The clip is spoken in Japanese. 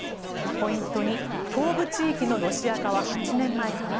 ポイント２、東部地域のロシア化は８年前から？